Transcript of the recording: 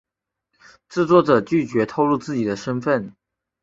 制作者拒绝透露自己的身份。